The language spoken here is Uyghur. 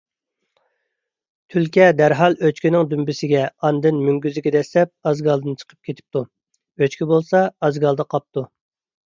تۈلكە دەرھال ئۆچكىنىڭ دۈمبىسىگە، ئاندىن مۆڭگۈزىگە دەسسەپ ئازگالدىن چىقىپ كېتىپتۇ. ئۆچكە بولسا، ئازگالدا قاپتۇ.